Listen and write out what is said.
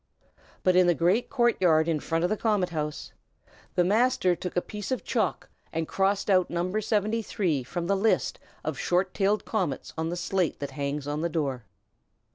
But in the great court yard in front of the Comet House, the Master took a piece of chalk, and crossed out No. 73 from the list of short tailed comets on the slate that hangs on the door.